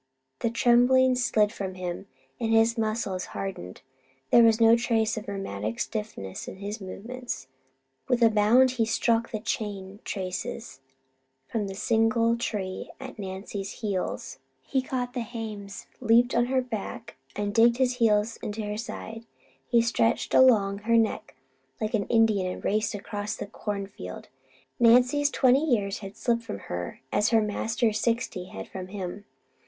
The trembling slid from him, and his muscles hardened. There was no trace of rheumatic stiffness in his movements. With a bound he struck the chain traces from the singletree at Nancy's heels. He caught the hames, leaped on her back, and digging his heels into her sides, he stretched along her neck like an Indian and raced across the corn field. Nancy's twenty years slipped from her as her master's sixty had from him.